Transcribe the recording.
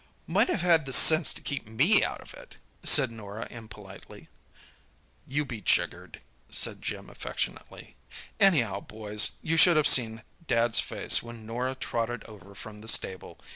"Might have had the sense to keep me out of it," said Norah impolitely. "You be jiggered," said Jim affectionately. "Anyhow, boys, you should have seen Dad's face when Norah trotted over from the stable.